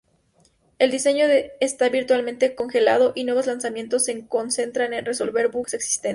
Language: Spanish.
El diseño está virtualmente congelado, y nuevos lanzamientos se concentran en resolver bugs existentes.